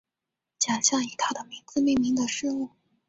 奖项以他的名字命名的事物